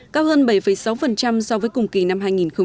cao hơn bảy sáu so với cùng kỳ năm hai nghìn một mươi tám